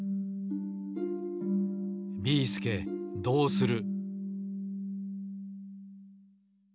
ビーすけどうする！？